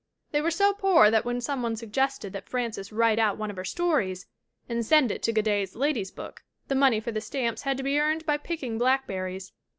They were so poor that when some one suggested that Frances write out one of her stories and send it to Godey's Lady's Book the money for the stamps had to be earned by picking blackberries.